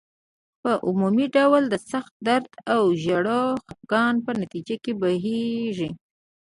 په عمومي ډول د سخت درد او ژور خپګان په نتیجه کې بهیږي.